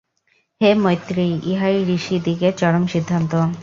হে মৈত্রেয়ী, ইহাই ঋষিদিগের চরম সিদ্ধান্ত।